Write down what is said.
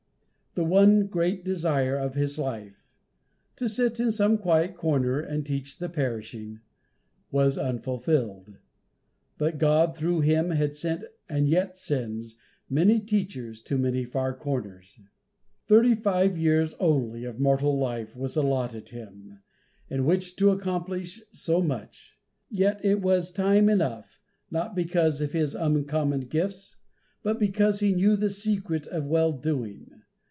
The one great desire of his life, "to sit in some quiet corner and teach the perishing," was unfulfilled; but God through him had sent, and yet sends, many teachers to many far corners. Thirty five years, only, of mortal life was allotted him in which to accomplish so much; yet it was time enough, not because of his uncommon gifts, but because he knew the secret of well doing.